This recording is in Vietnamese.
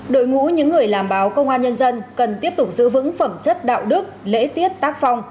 đội ngũ những người làm báo công an nhân dân cần tiếp tục giữ vững phẩm chất đạo đức lễ tiết tác phong